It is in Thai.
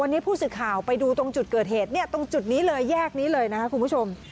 ในรงค์ที่ผู้สึกข่าวไปดูตรงจุดเกิดเหตุตรงจุดนี้เลยแยกนี้เลยนะคะเดี๋ยวชม